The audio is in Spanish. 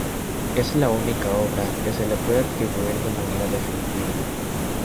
Es la única obra que se le puede atribuir de manera definitiva.